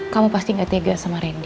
kamu pasti gak tega sama randy